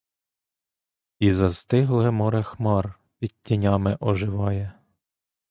І застигле море хмар під тінями оживає.